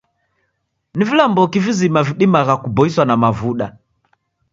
Ni vilamboki vizima vidimagha kuboiswa na mavuda?